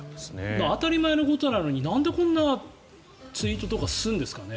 当たり前のことなのになんでこんなツイートとかするんですかね。